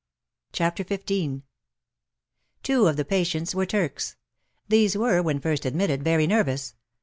CHAPTER XV Two of the patients were Turks. These were, when first admitted, very nervous.